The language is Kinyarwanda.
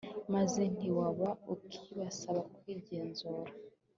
maze ntiwaba ukibasha kwigenzura